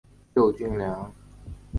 救军粮